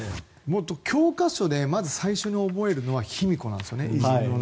教科書でまず最初に覚えるのが卑弥呼なんですよね。